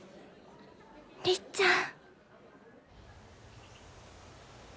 りっちゃん！